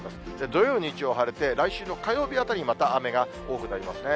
土曜、日曜晴れて、来週の火曜日あたりにまた雨が多くなりますね。